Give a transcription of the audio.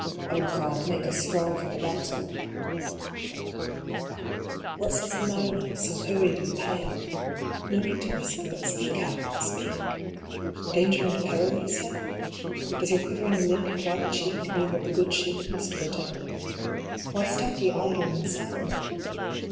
O God, make us strong for the battle ! IV. What says the mariner so hurried and pale ? No need to whisper it, speak out, speak ! Danger and peril you say ? Does your quivering lip and white cheek mean that the good Ship must go down ? Why stand ye idle and silent